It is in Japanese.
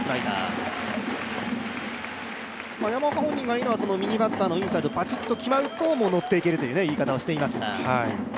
山岡本人は右サイドバチッと決まるとノっていけるという言い方をしていますが。